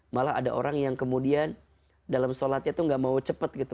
malah ada orang yang kemudian dalam sholatnya itu gak mau cepet gitu